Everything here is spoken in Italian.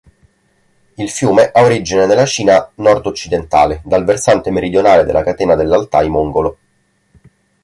Il fiume ha origine nella Cina nordoccidentale, dal versante meridionale della catena dell'Altaj mongolo.